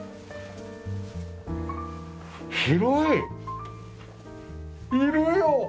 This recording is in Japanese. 広い！いるよ！